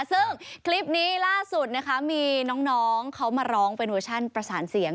ซึ่งคลิปนี้ล่าสุดนะคะมีน้องเขามาร้องเป็นเวอร์ชั่นประสานเสียง